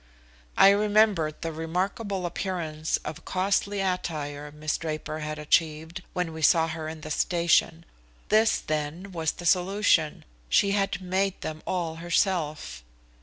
I remembered the remarkable appearance of costly attire Miss Draper had achieved when we saw her in the station. This, then, was the solution. She had made them all herself.